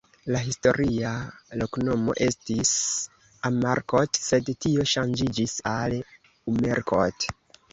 La historia loknomo estis Amarkot, sed tio ŝanĝiĝis al Umerkot.